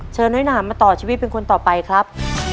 น้อยหนามมาต่อชีวิตเป็นคนต่อไปครับ